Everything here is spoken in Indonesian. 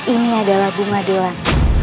ini adalah bunga dolan